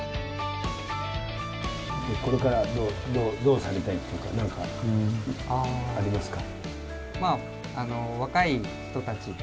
これからどうされたいっていうか何かありますか？